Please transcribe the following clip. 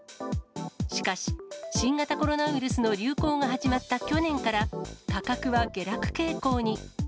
しかし、新型コロナウイルスの流行が始まった去年から、価格は下落傾向に。